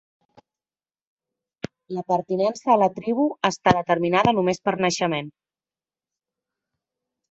La pertinença a la tribu està determinada només per naixement.